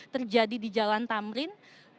terjadi di jalan tamrin